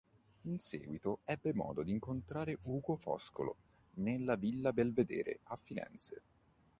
In seguito ebbe modo di incontrare Ugo Foscolo nella villa Belvedere a Firenze.